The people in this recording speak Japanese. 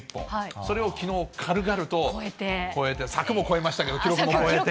それをきのう、軽々と超えて、柵も越えましたけど、記録も超えて。